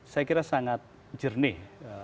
saya kira sangat jernih